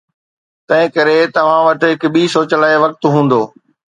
تنهن ڪري توهان وٽ هڪ ٻي سوچ لاء وقت هوندو.